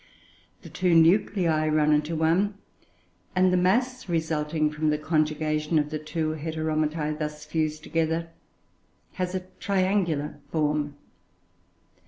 The two nuclei run into one; and the mass resulting from the conjugation of the two Heteromitoe, thus fused together, has a triangular form.